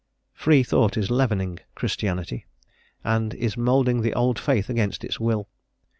Free thought is leavening Christianity, and is moulding the old faith against its will.